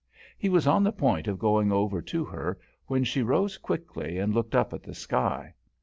He was on the point of going over to her, when she rose quickly and looked up at the sky.